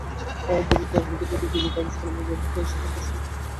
প্রযুক্তির অগ্রগতিতে দিন দিন কাগজ-কলমের ব্যবহার কমছে শিক্ষা, প্রশিক্ষণ কিংবা অফিসের কাজে।